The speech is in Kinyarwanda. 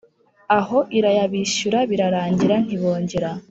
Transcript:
aho irayabishyura birarangira ntibongera